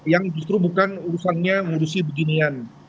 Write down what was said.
yang justru bukan urusannya ngurusi beginian